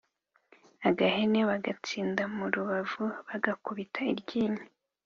agahene/ bagatsinda mu ruhavu/ bagakubita iryinyo